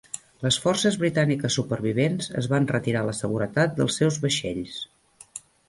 Les forces britàniques supervivents es van retirar a la seguretat dels seus vaixells.